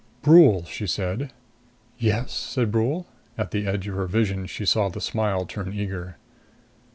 "Brule," she said. "Yes?" said Brule. At the edge of her vision she saw the smile turn eager.